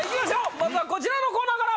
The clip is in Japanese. まずはこちらのコーナーから！